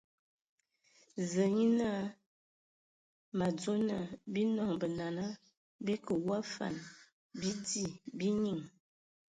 Zǝa nye naa mǝ adzo naa, bii nɔŋ benana, bii kǝ w a afan, bii di, bii nyinŋ!